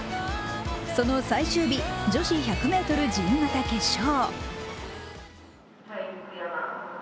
その最終日、女子１００ｍ自由形決勝。